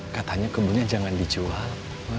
katanya kebunnya jangan dijual